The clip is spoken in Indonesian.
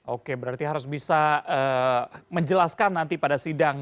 oke berarti harus bisa menjelaskan nanti pada sidang